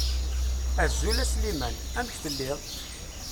Azul a Sliman. Amek telliḍ?